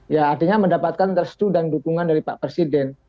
ya artinya mendapatkan restu dan dukungan dari pak presiden